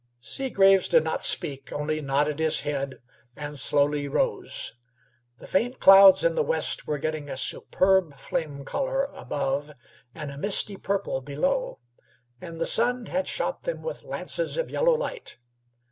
Seagraves did not speak, only nodded his head, and slowly rose. The faint clouds in the west were getting a superb flame color above and a misty purple below, and the sun had pierced them with lances of yellow light.